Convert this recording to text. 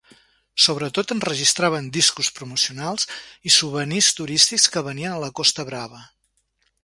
Sobretot enregistraven discos promocionals i souvenirs turístics que venien a la costa brava.